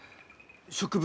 植物